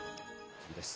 次です。